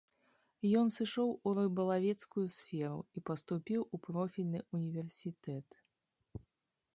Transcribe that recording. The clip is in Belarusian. Ён сышоў у рыбалавецкую сферу і паступіў у профільны ўніверсітэт.